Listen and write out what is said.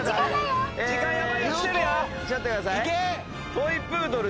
トイプードル。